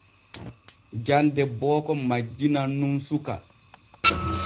Jande booko majjinan nun suka.